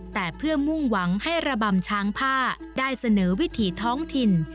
แต่เพื่อมุ่งหวังให้ระบำช้างผ้าได้เสนอวิถีท้องถิ่น